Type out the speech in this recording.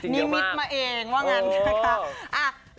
นิมิตมาเองว่างั้นนะคะ